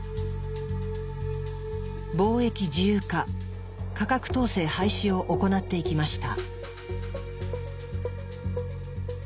貿易自由化価格統制廃止を行っていきました。